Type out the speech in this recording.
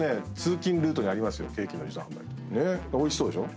おいしそうでしょ。